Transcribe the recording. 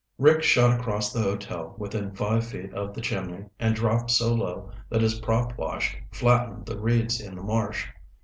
Rick shot across the hotel within five feet of the chimney and dropped so low that his prop wash flattened the reeds in the marsh.